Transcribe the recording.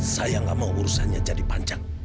saya gak mau urusannya jadi panjang